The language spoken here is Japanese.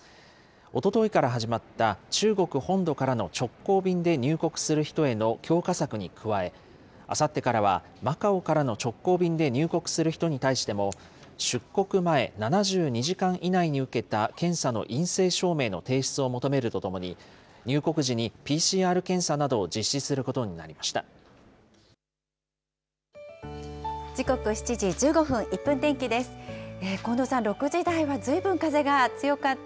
おとといから始まった中国本土からの直行便で入国する人への強化策に加え、あさってからはマカオからの直行便で入国する人に対しても、出国前７２時間以内に受けた検査の陰性証明の提出を求めるとともに、入国時にＰＣＲ検査などを実施することになりました。